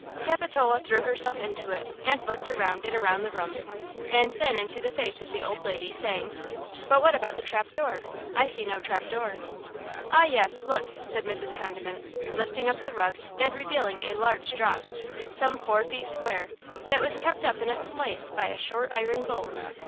Capitola threw herself into it, and looked around and around the room, and then into the face of the old lady saying: "But what about the trap door? I see no trap door." "Ah, yes–look!" said Mrs. Condiment, lifting up the rug and revealing a large drop, some four feet square, that was kept up in its place by a short iron bolt.